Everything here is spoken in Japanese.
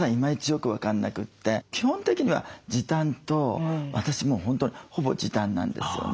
基本的には時短と私もう本当ほぼ時短なんですよね。